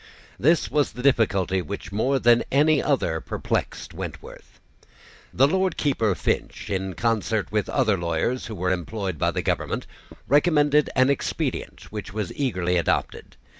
This was the difficulty which more than any other perplexed Wentworth. The Lord Keeper Finch, in concert with other lawyers who were employed by the government, recommended an expedient which was eagerly adopted.